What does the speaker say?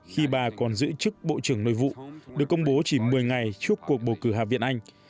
khi bà còn giữ chức bộ trưởng nội vụ được công bố chỉ một mươi ngày trước cuộc bầu cử hạ viện anh